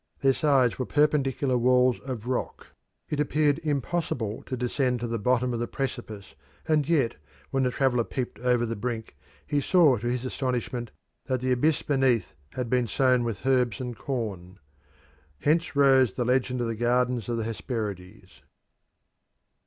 Their sides were perpendicular walls of rock: it appeared impossible to descend to the bottom of the precipice, and yet, when the traveller peeped over the brink, he saw to his astonishment that the abyss beneath had been sown with herbs and corn. Hence rose the legend of the Gardens of the Hesperides.